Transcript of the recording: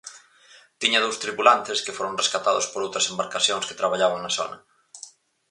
Tiña dous tripulantes, que foron rescatados por outras embarcacións que traballaban na zona.